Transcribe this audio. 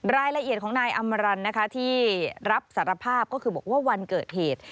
รายละเอียดของนายอำมารันนะคะที่รับสารภาพก็คือบอกว่าวันเกิดเหตุ